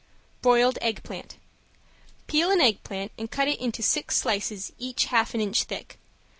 ~BROILED EGGPLANT~ Peel an eggplant and cut it into six slices each half an inch thick.